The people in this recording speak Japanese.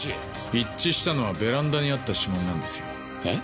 一致したのはベランダにあった指紋なんですよ。えっ？